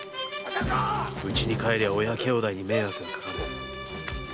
うちに帰りゃ親兄弟に迷惑がかかる。